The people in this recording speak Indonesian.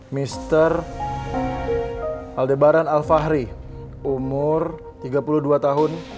mister aldebaran alfahri umur tiga puluh dua tahun